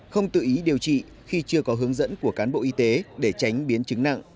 không tự ý điều trị khi chưa có hướng dẫn của cán bộ y tế để tránh biến chứng nặng